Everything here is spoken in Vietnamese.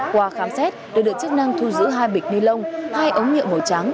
qua khám xét được được chức năng thu giữ hai bịch ni lông hai ống nhựa màu trắng